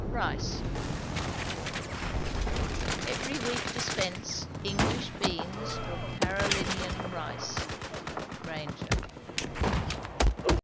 RICE. Every week dispense English beans or Carolinian rice. GRAINGER.